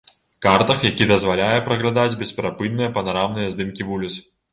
Картах, які дазваляе праглядаць бесперапынныя панарамныя здымкі вуліц.